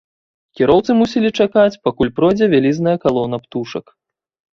Кіроўцы мусілі чакаць, пакуль пройдзе вялізная калона птушак.